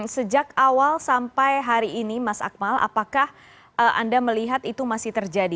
sejak awal sampai hari ini mas akmal apakah anda melihat itu masih terjadi